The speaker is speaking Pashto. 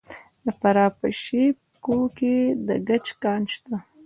د فراه په شیب کوه کې د ګچ کان شته.